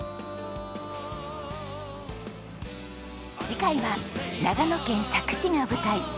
次回は長野県佐久市が舞台。